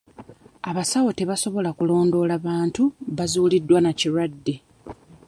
Abasawo tebasobola kulondoola bantu bazuuliddwa na kirwadde.